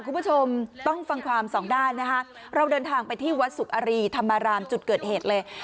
คุณผู้ชมต้องฟังความสองด้านนะคะเราเดินทางไปที่วัดสุอรีธรรมารามจุดเกิดเหตุเลย